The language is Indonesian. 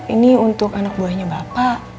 ini untuk anak buahnya bapak